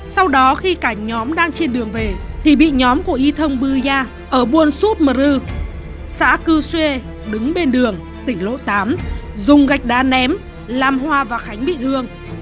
sau đó khi cả nhóm đang trên đường về thì bị nhóm của y thông bu ya ở buôn suốt mờ rư xã cư xuê đứng bên đường tỉnh lỗ tám dùng gạch đá ném làm hòa và khánh bị thương